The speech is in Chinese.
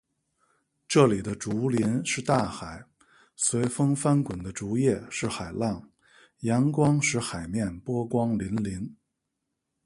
这里的竹林是大海，随风翻滚的竹叶是海浪，阳光使“海面”波光粼粼。